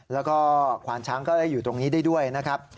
แล้วก็ขวานช้างก็ได้อยู่ตรงนี้ได้ด้วยนะครับ